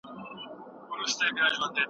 تخنيکي عوامل په هر اړخيز پرمختګ کي ونډه لري.